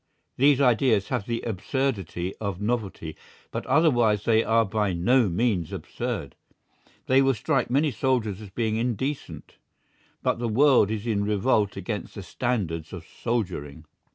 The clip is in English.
These ideas have the absurdity of novelty, but otherwise they are by no means absurd. They will strike many soldiers as being indecent, but the world is in revolt against the standards of soldiering.